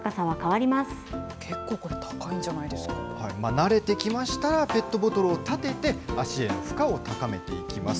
慣れてきましたら、ペットボトルを立てて、足への負荷を高めていきます。